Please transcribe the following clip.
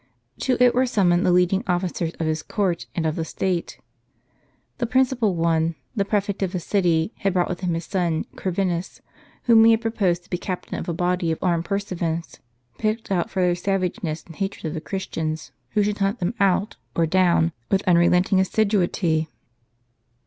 To it were summoned the leading ofiicers of his court, and of the state. The principal one, the prefect of the city, had brought with him his son, Corvinus, whom he had proposed to be captain of a body of armed pursuivants, picked out for their savageness and hatred of Christians ; who should hunt them out, or down, with unrelenting assiduity.